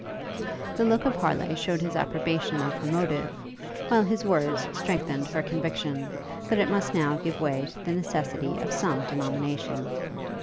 The look of Harleigh shewed his approbation of her motive, while his words strengthened her conviction, that it must now give way to the necessity of some denomination.